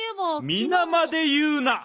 みなまでいうな。